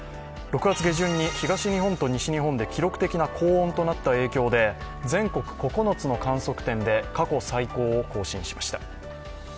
６月下旬に東日本と西日本で記録的な高温となった影響で全国９つの観測点で過去最高を更新しました。